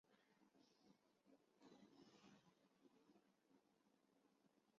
普利亚索瓦特卡农村居民点是俄罗斯联邦沃罗涅日州上哈瓦区所属的一个农村居民点。